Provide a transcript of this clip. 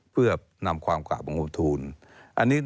เพื่อนำความกว่าบังคุมธูณฑ์